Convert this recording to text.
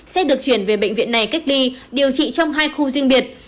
sẽ được chuyển về bệnh viện này cách ly điều trị trong hai khu riêng biệt